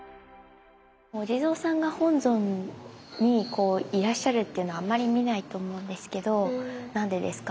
お地蔵さんが本尊にいらっしゃるっていうのはあまり見ないと思うんですけど何でですか？